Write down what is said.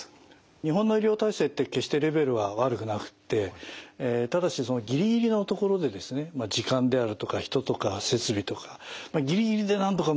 日本の医療体制って決してレベルは悪くなくってただしぎりぎりのところでですね時間であるとか人とか設備とかぎりぎりでなんとかうまくやってる。